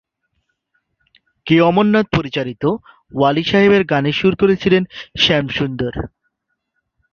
কে অমরনাথ পরিচালিত ওয়ালি সাহেবের গানের সুর করেছিলেন শ্যাম সুন্দর।